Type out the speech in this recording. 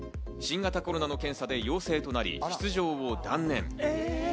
新型コロナの検査で陽性となり出場を断念。